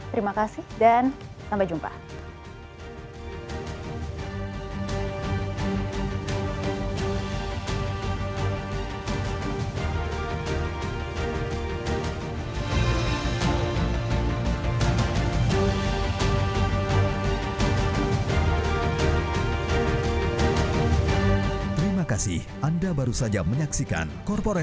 terima kasih dan sampai jumpa